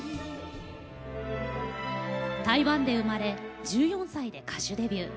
台湾で生まれ１４歳で歌手デビュー。